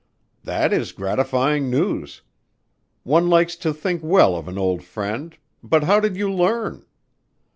"That is gratifying news. One likes to think well of an old friend, but how did you learn?"